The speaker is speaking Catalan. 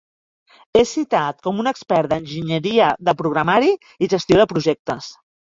És citat com un expert d"enginyeria de programari i gestió de projectes.